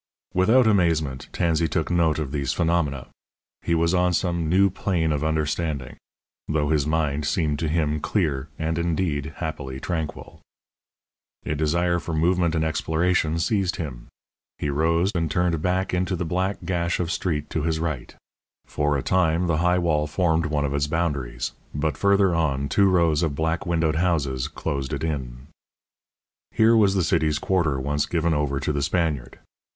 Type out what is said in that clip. Without amazement Tansey took note of these phenomena. He was on some new plane of understanding, though his mind seemed to him clear and, indeed, happily tranquil. A desire for movement and exploration seized him: he rose and turned into the black gash of street to his right. For a time the high wall formed one of its boundaries; but further on, two rows of black windowed houses closed it in. Here was the city's quarter once given over to the Spaniard.